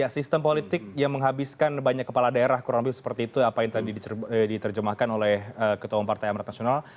sistem politik yang menghabiskan banyak kepala daerah kurang lebih seperti itu apa yang tadi diterjemahkan oleh ketua umum partai amrat nasional